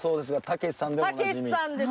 たけしさんですね。